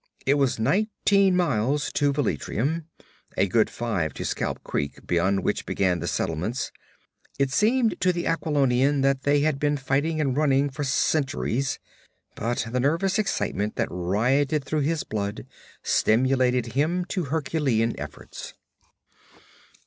It was nineteen miles to Velitrium, a good five to Scalp Creek beyond which began the settlements. It seemed to the Aquilonian that they had been fighting and running for centuries. But the nervous excitement that rioted through his blood stimulated him to Herculean efforts.